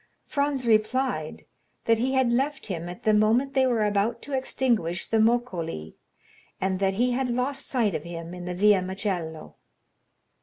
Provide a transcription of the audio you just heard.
Franz replied that he had left him at the moment they were about to extinguish the moccoli, and that he had lost sight of him in the Via Macello.